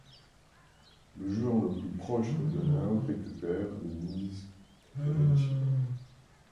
Le joueur le plus proche du donneur récupère les mises riichi.